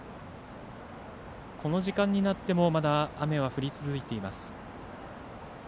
この時間になってもまだ雨は続いています。